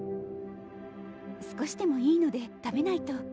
少しでもいいので食べないと。